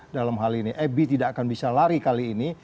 dalam hal ini ebi tidak akan bisa lari kali ini